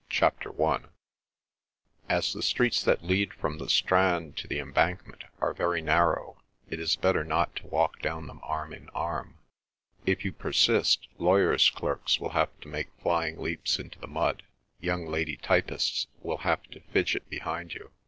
CHAPTER I As the streets that lead from the Strand to the Embankment are very narrow, it is better not to walk down them arm in arm. If you persist, lawyers' clerks will have to make flying leaps into the mud; young lady typists will have to fidget behind you.